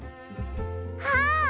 あっ！